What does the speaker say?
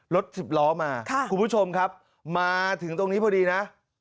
รถสิบล้อมาคุณผู้ชมครับมาถึงตรงนี้พอดีนะ